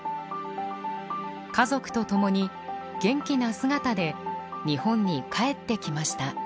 家族とともに元気な姿で日本に帰ってきました。